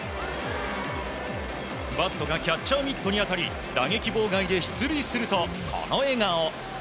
バットがキャッチャーミットに当たり打撃妨害で出塁するとこの笑顔。